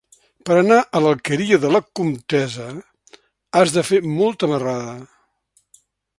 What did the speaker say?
Per anar a l'Alqueria de la Comtessa has de fer molta marrada.